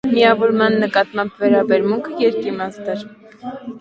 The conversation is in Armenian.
Միավորման նկատմամբ վերաբերմունքը երկիմաստ էր։